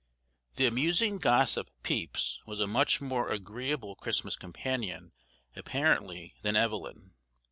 The amusing gossip Pepys was a much more agreeable Christmas companion apparently than Evelyn.